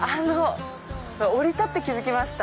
降り立って気付きました。